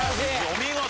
お見事！